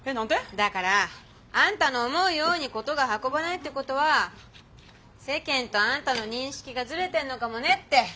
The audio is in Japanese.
だからあんたの思うように事が運ばないってことは世間とあんたの認識がズレてんのかもねって。